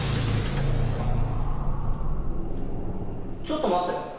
ちょっと待って。